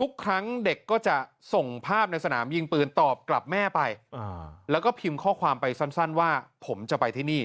ทุกครั้งเด็กก็จะส่งภาพในสนามยิงปืนตอบกลับแม่ไปแล้วก็พิมพ์ข้อความไปสั้นว่าผมจะไปที่นี่